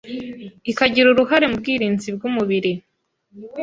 ikagira uruhare mu bwirinzi bw’umubiri,